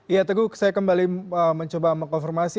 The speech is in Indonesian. ya teguh saya kembali mencoba mengkonfirmasi